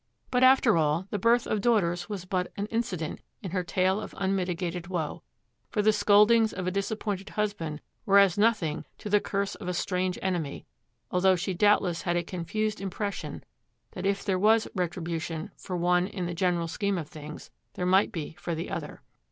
But, after all, the birth of daughters was but an incident in her tale of unmitigated woe, for the scoldings of a disappointed husband were as nothing to the curse of a strange enemy, although she doubtless had a confused impression that if there was retribution for one in the general scheme of things, there might be for the other.